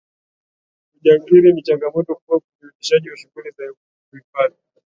ujangiri ni changamoto kubwa kwenye uendeshaji wa shughuli za uhifadhi